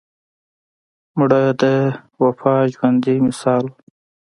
مړه د وفا ژوندي مثال وه